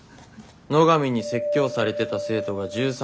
野上に説教されてた生徒が１３人。